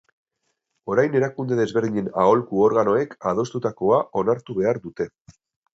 Orain erakunde desberdinen aholku organoek adostutakoa onartu behar dute.